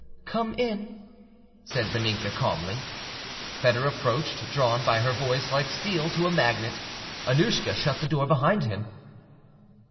"Come in," said Vaninka calmly. Foedor approached, drawn by her voice like steel to a magnet. Annouschka shut the door behind him.